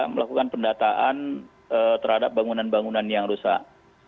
melakukan pendataan terhadap bangunan bangunan yang rusak